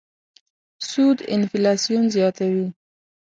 سود انفلاسیون زیاتوي.